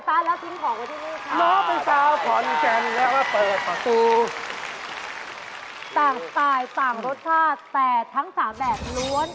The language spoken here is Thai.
ต่างประสาทลดชาติแต่ทั้งสามแบบล้วน